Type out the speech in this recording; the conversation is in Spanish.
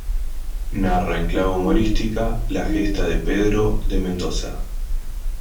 Narra en clave humorística la gesta de Pedro de Mendoza.